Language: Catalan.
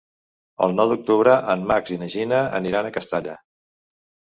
El nou d'octubre en Max i na Gina aniran a Castalla.